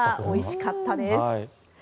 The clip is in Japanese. おいしかったです。